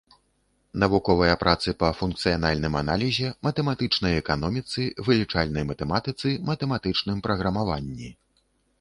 Навуковыя працы па функцыянальным аналізе, матэматычнай эканоміцы, вылічальнай матэматыцы, матэматычным праграмаванні.